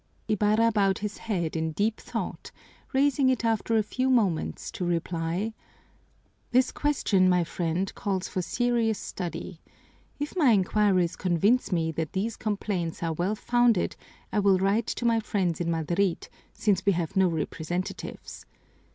Ibarra bowed his head in deep thought, raising it after a few moments to reply: "This question, my friend, calls for serious study. If my inquiries convince me that these complaints are well founded I will write to my friends in Madrid, since we have no representatives.